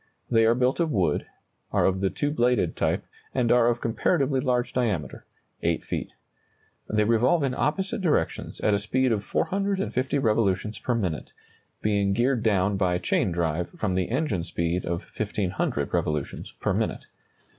They are built of wood, are of the two bladed type, and are of comparatively large diameter 8 feet. They revolve in opposite directions at a speed of 450 revolutions per minute, being geared down by chain drive from the engine speed of 1,500 revolutions per minute.